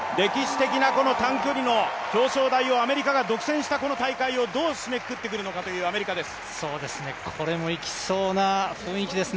歴史的な、この短距離の表彰台をアメリカが独占したこの大会をどう締めくくってくるのかというアメリカです。